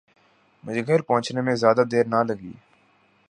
مجھے گھر پہنچنے میں زیادہ دیر نہ لگی